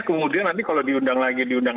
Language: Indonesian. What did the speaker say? kemudian nanti kalau diundang lagi diundang